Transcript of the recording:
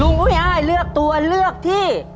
อุ้ยอ้ายเลือกตัวเลือกที่